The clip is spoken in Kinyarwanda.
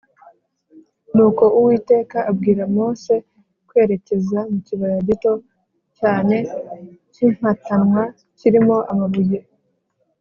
nuko uwiteka abwira mose kwerekeza mu kibaya gito cyane cy’impatanwa kirimo amabuye,